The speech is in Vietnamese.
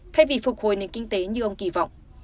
thay vì phục hồi nền kinh tế như ông kỳ vọng